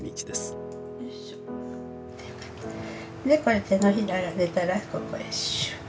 でこれ手のひらが出たらここへシュッ。